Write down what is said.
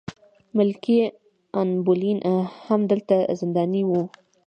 ملکې ان بولین هم دلته زنداني وه.